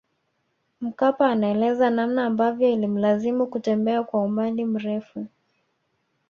Mkapa anaeleza namna ambavyo ilimlazimu kutembea kwa umbali mrefu